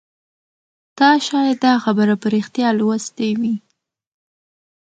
تا شاید دا خبر په ریښتیا لوستی وي